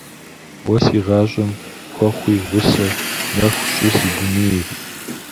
Уэ си гъащӏэм хуэхъуи гъусэ, нэху щӏы си дунейр.